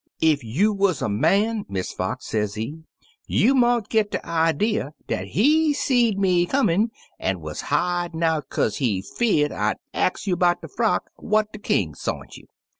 Ef you wuz a man, Miss Fox,' sezee, *you mought git de idee dat he seed me comin' an' wuz hidin' out kaze he fear'd I'd ax you 'bout dat frock what de King sont you.